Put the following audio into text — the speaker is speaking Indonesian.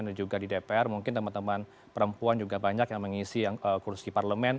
dan juga di dpr mungkin teman teman perempuan juga banyak yang mengisi kursi di parlemen